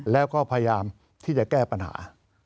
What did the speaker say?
แล้วก็พยายามที่จะแก้ปัญหา